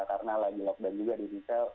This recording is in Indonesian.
karena lagi lockdown juga di indonesia